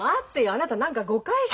あなた何か誤解して。